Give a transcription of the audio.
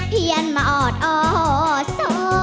เพียนมาออดอสอ